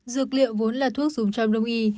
dược liệu vốn là thuốc dùng trong đông y